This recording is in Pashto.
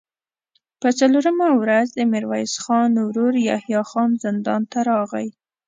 په څلورمه ورځ د ميرويس خان ورو يحيی خان زندان ته راغی.